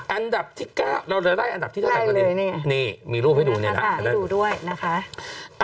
อันดับที่๙เราได้อันดับที่๙เลยเนี่ยมีรูปให้ดูเนี่ยนะครับ